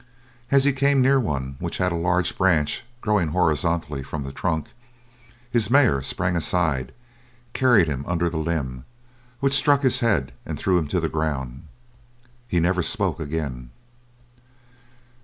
As he came near one which had a large branch, growing horizontally from the trunk, his mare spring aside, carried him under the limb, which struck his head, and threw him to the ground. He never spoke again.